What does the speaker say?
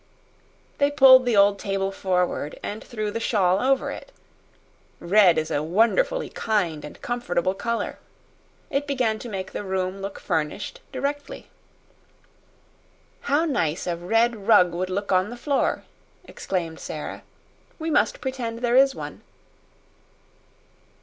They pulled the old table forward, and threw the shawl over it. Red is a wonderfully kind and comfortable color. It began to make the room look furnished directly. "How nice a red rug would look on the floor!" exclaimed Sara. "We must pretend there is one!"